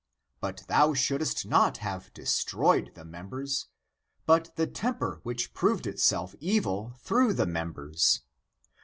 But thou shouldest not have destroyed the members, but the temper which proved itself evil through the members.